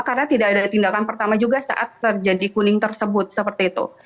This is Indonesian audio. karena tidak ada tindakan pertama juga saat terjadi kuning tersebut seperti itu